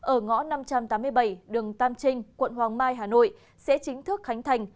ở ngõ năm trăm tám mươi bảy đường tam trinh quận hoàng mai hà nội sẽ chính thức khánh thành